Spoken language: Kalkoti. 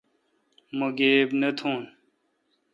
مہ گیب نہ تھون